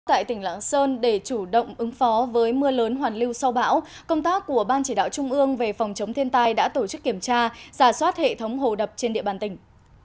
tại tỉnh lạng sơn để chủ động ứng phó với mưa lớn hoàn lưu sau bão công tác của ban chỉ đạo trung ương về phòng chống thiên tai đã tổ chức kiểm tra giả soát hệ thống hồ đập trên địa bàn tỉnh